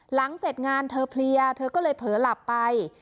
หลังเสร็จงานเธอเพลียเธอก็เลยเผลอหลับไป